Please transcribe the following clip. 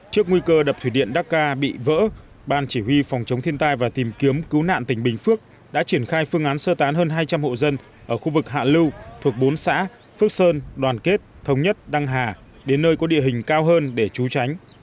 trước nguy cơ đập thủy điện đắc ca bị vỡ ban chỉ huy phòng chống thiên tai và tìm kiếm cứu nạn tỉnh bình phước đã triển khai phương án sơ tán hơn hai trăm linh hộ dân ở khu vực hạ lưu thuộc bốn xã phước sơn đoàn kết thống nhất đăng hà đến nơi có địa hình cao hơn để trú tránh